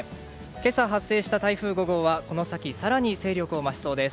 今朝発生した台風５号はこの先、更に勢力を増しそうです。